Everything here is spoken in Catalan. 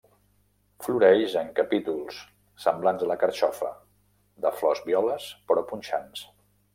Floreix en capítols semblants a la carxofa de flors violes però punxants.